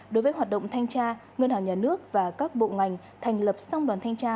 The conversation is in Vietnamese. đối với hoạt động thanh tra ngân hàng nhà nước và các bộ ngành thành lập song đoàn thanh tra